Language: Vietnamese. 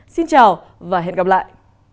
xin chào và hẹn gặp lại